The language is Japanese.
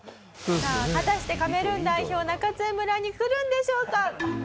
さあ果たしてカメルーン代表中津江村に来るんでしょうか？